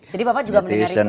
jadi bapak juga mendengar itu